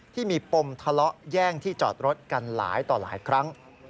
ที่มีปมทะเลาะแย่งที่จอดรถกันหลายต่อหลายครั้ง